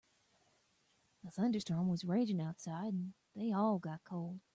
A thunderstorm was raging outside and they all got a cold.